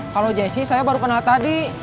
kalau jessi saya baru kenal tadi